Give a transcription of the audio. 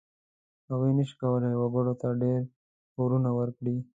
هغوی نشي کولای وګړو ته ډېر پورونه ورکړي.